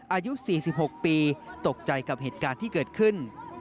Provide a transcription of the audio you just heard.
อายุ๔๖ปีตกใจกับเหตุการณ์ที่เกิดขึ้น